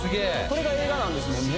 これが映画なんですもんね。